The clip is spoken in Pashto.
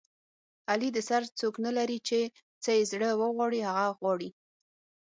علي د سر څوک نه لري چې څه یې زړه و غواړي هغه غواړي.